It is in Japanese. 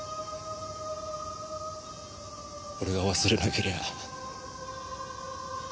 俺が忘れなけりゃあ